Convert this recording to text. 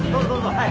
はい。